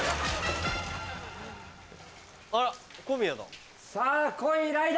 あら小宮だ。